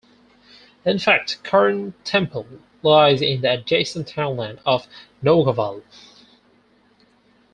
In fact Carntemple lies in the adjacent townland of Noughaval.